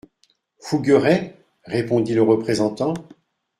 Fougueray ? répondit le représentant.